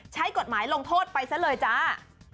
ใช้กฎหมายลงโทษไปซะเลยจ้า